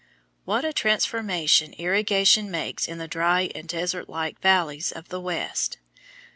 What a transformation irrigation makes in the dry and desert like valleys of the West!